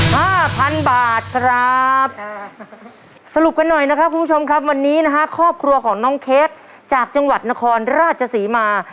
ห้าพันบาทครับอ่าสรุปกันหน่อยนะครับคุณผู้ชมครับวันนี้นะฮะครอบครัวของน้องเค้กจากจังหวัดนครราชศรีมา